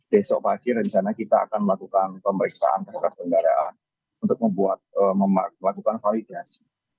besok pagi rencana kita akan melakukan pemeriksaan terhadap kendaraan untuk membuat melakukan validasi